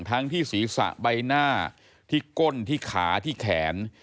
ทั้งที่ศีรษะใบหน้าที่ก้นที่ขาที่แขน